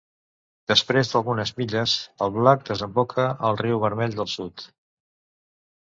Després d'algunes milles, el Black desemboca al Riu Vermell del Sud.